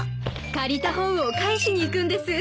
借りた本を返しに行くんです。